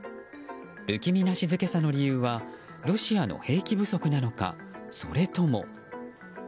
不気味な静けさの理由はロシアの兵器不足なのかそれとも。